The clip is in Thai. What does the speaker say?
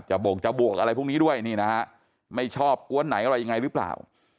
บ่งจะบวกอะไรพวกนี้ด้วยนี่นะฮะไม่ชอบกวนไหนอะไรยังไงหรือเปล่า